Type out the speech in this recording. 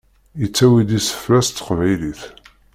Yettawi-d isefra s teqbaylit.